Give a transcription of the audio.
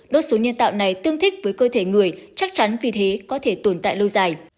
đốt số nhân tạo này tương thích với cơ thể người chắc chắn vì thế có thể tồn tại lâu dài